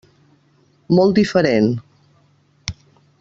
Molt diferent.